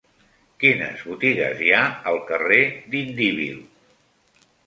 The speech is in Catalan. Quines botigues hi ha al carrer d'Indíbil?